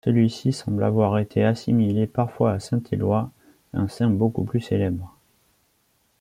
Celui-ci semble avoir été assimilé parfois à saint Éloi, un saint beaucoup plus célèbre.